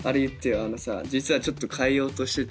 あのさ実はちょっと変えようとしてて。